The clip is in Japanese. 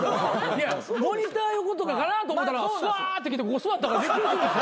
いやモニター横とかかなと思ったらさーって来てここ座ったからびっくり。